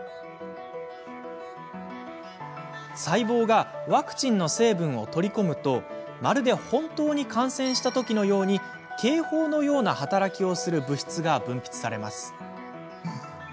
細胞がワクチンの成分を取り込むとまるで本当に感染したときのように警報のような働きをする物質が分泌されます。